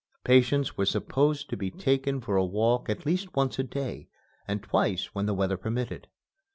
Patients were supposed to be taken for a walk at least once a day, and twice, when the weather permitted.